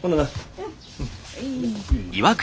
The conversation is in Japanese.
うん。